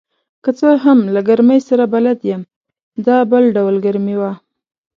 که څه هم له ګرمۍ سره بلد یم، دا بل ډول ګرمي وه.